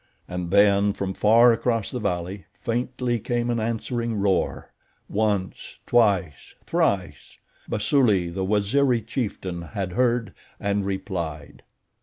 And then, from far across the valley, faintly, came an answering roar—once, twice, thrice. Basuli, the Waziri chieftain, had heard and replied.